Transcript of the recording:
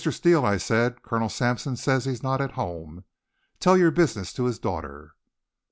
Steele," I said, "Colonel Sampson says he's not at home. Tell your business to his daughter."